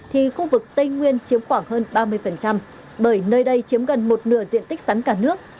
thì khu vực tây nguyên chiếm khoảng hơn ba mươi bởi nơi đây chiếm gần một nửa diện tích sắn cả nước